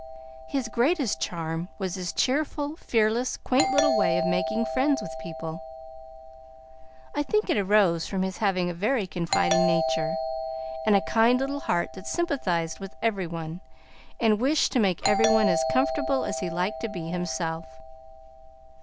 His greatest charm was this cheerful, fearless, quaint little way of making friends with people. I think it arose from his having a very confiding nature, and a kind little heart that sympathized with every one, and wished to make every one as comfortable as he liked to be himself.